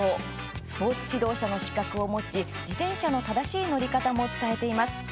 スポーツ指導者の資格を持ち自転車の正しい乗り方も伝えています。